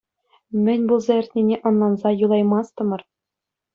Мӗн пулса иртнине ӑнланса юлаймастӑмӑр.